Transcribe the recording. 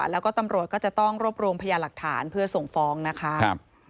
แล้วก็ตำรวจก็จะต้องรวบรวมพยาหลักฐานเพื่อส่งฟ้องนะคะ